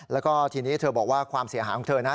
แล้วก็ทีนี้เธอบอกว่าความเสียหายของเธอนะ